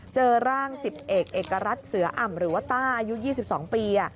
เจอร่าง๑๐เอกเอกรัฐเสืออ่ำหรือว่าต้าอายุ๒๒ปี